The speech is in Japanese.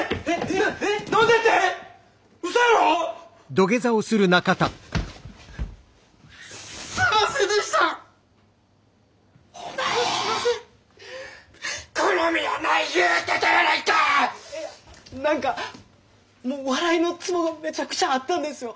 いや何かもう笑いのツボがめちゃくちゃ合ったんですよ。